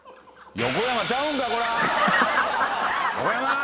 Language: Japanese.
横山！